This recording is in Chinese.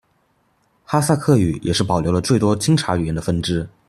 哈萨克语也是保留了最多钦察语言的分支。